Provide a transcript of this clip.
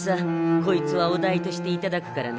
こいつはお代としていただくからね。